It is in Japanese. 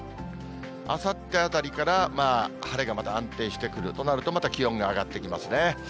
あさってあたりからまあ、晴れがまた安定してくるとなると、また気温が上がってきますね。